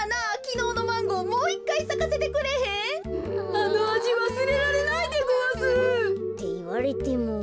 あのあじわすれられないでごわす。っていわれても。